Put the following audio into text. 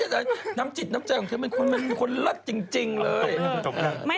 เธอน้ำจิตน้ำใจของเธอนั้นขนลัดจริงเลย